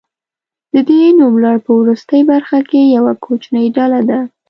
د دې نوملړ په وروستۍ برخه کې یوه کوچنۍ ډله ده.